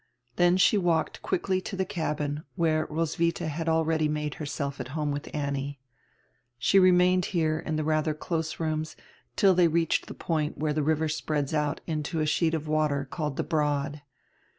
Then she walked quickly to die cabin, where Roswitha had already made herself at home with Annie. She remained here in the rather close rooms till they reached die point where die river spreads out into a sheet of water called die "Broad."